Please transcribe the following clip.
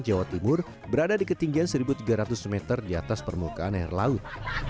yang berumur berada di ketinggian seribu tiga ratus meter di atas permukaan air laut